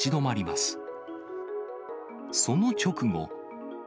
その直後。